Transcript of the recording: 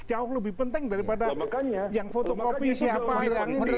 ini jauh lebih penting daripada yang fotokopi siapa